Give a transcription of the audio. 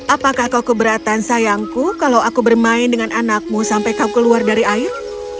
apakah kau keberatan sayangku kalau aku bermain dengan anakmu sampai kau keluar dari air